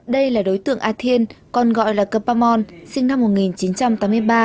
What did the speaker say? đây là đối tượng a thiên con gọi là kepamon sinh năm một nghìn chín trăm tám mươi ba